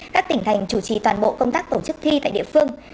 các tỉnh thành chủ trì toàn bộ công tác tổ chức thi tại địa phương